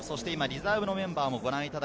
リザーブのメンバーです。